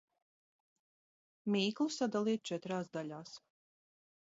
Mīklu sadaliet četrās daļās.